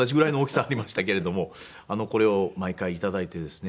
これを毎回頂いてですね。